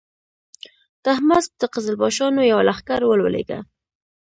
تهماسب د قزلباشانو یو لښکر ورولېږه.